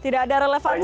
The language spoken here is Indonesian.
tidak ada relevansinya